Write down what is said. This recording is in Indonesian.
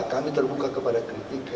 kami terbuka kepada kritik